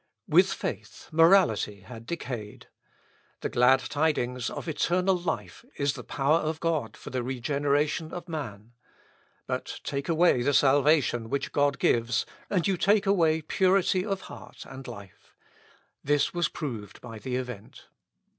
With faith morality had decayed. The glad tidings of eternal life is the power of God for the regeneration of man. But take away the salvation which God gives, and you take away purity of heart and life. This was proved by the event.